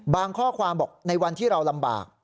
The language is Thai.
ข้อความบอกในวันที่เราลำบาก